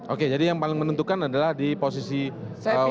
oke jadi yang paling menentukan adalah di posisi wakil